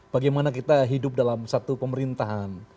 bagaimana kita hidup dalam satu pemerintahan